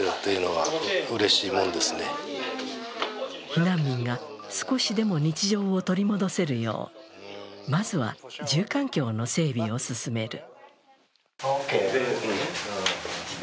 避難民が少しでも日常を取り戻せるよう、まずは、住環境の整備を進める。